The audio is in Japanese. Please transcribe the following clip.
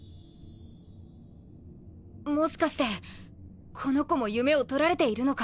もしかしてこの子も夢をとられているのか！？